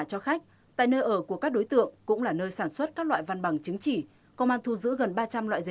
cho cơ quan cảnh sát điều tra công an thành phố thủ đức